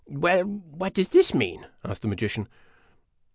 "Well, what does this mean?" asked the magician.